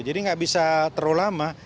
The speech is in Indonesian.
jadi nggak bisa terlalu lama